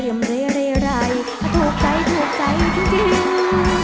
เรียบร้ายร้ายถูกใจถูกใจจริง